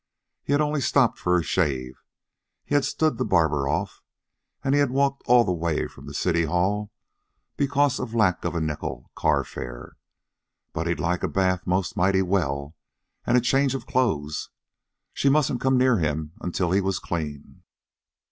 He had only stopped for a shave. He had stood the barber off, and he had walked all the way from the City Hall because of lack of the nickel carfare. But he'd like a bath most mighty well, and a change of clothes. She mustn't come near him until he was clean.